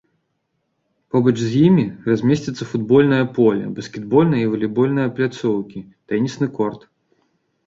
Побач з ім размесціцца футбольнае поле, баскетбольная і валейбольная пляцоўкі, тэнісны корт.